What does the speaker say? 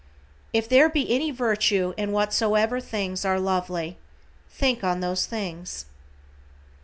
"If there be any virtue in whatsoever things are lovely, think on those things."